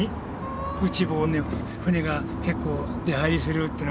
内房の船が結構出はいりするってのがね